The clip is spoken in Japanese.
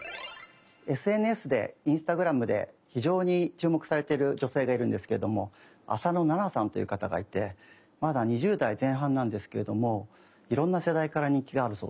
ＳＮＳでＩｎｓｔａｇｒａｍで非常に注目されてる女性がいるんですけれども浅野ナナさんという方がいてまだ２０代前半なんですけれどもいろんな世代から人気があるそうです。